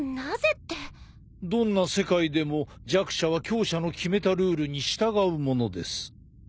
どんな世界でも弱者は強者の決めたルールに従うものです。